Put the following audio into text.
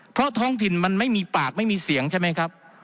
เพราะท้องถิ่นมันไม่มีปากไม่มีเสียงใช่ไหมครับ